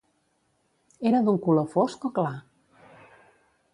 Era d'un color fosc o clar?